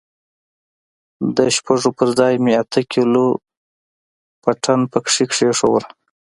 د شپږو پر ځاى مې اته کيلو پټن پکښې کښېښوول.